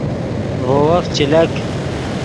ڤے وف چے لک